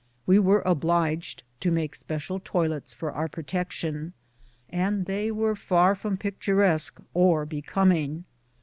We were obh'ged to make special toilets for our protection, and they were far from picturesque or becoming.